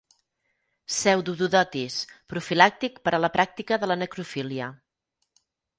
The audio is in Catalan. Pseudododotis: profilàctic per a la pràctica de la necrofília.